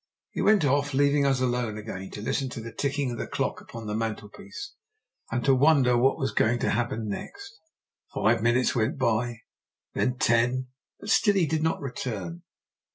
He went off, leaving us alone again to listen to the ticking of the clock upon the mantelpiece, and to wonder what was going to happen next. Five minutes went by and then ten, but still he did not return.